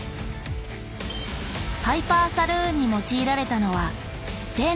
「ハイパーサルーン」に用いられたのはステンレス。